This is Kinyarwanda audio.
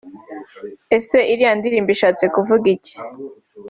Ese iriya ndirimbo ishatse kuvuga iki